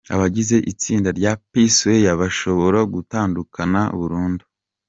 Abagize itsinda rya P-Square bashobora gutandukana burundu.